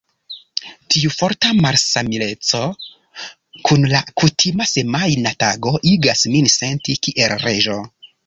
Tiu forta malsamileco kun la kutima semajna tago igas min senti kiel reĝo.